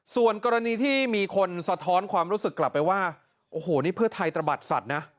ส่วนกรณีที่มีคนสะท้อนความรู้สึกกลับไปว่าโอ้โหนี่เพื่อไทยตระบัดสัตว์นะ